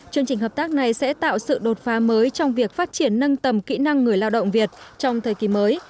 chương trình hợp tác này sẽ tạo sự đột phá mới trong việc phát triển nâng tầm kỹ năng người lao động việt trong thời kỳ mới